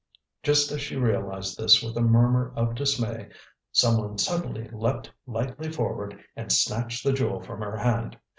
Just as she realized this with a murmur of dismay, someone suddenly leaped lightly forward and snatched the jewel from her hand.